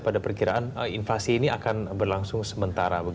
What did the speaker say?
pada perkiraan invasi ini akan berlangsung sementara